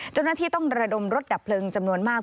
เจ้าหน้าที่ต้องระดมรถดับเพลิงจำนวนมาก